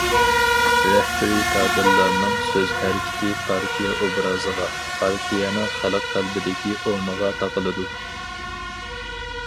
رەھبىرىي كادىرلارنىڭ سۆز- ھەرىكىتى پارتىيە ئوبرازىغا، پارتىيەنىڭ خەلق قەلبىدىكى ئورنىغا تاقىلىدۇ.